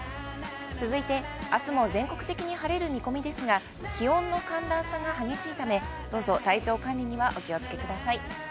続いてあすも全国的に晴れる見込みですが、気温の寒暖差が激しいため、どうぞ体調管理にはお気をつけください。